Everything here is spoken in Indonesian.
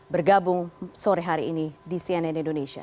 bergabung sore hari ini di cnn indonesia